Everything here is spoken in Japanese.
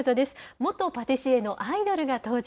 元パティシエのアイドルが登場。